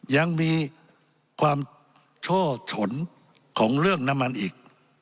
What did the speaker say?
ยังมีความช่อฉนของเรื่องน้ำมันอีก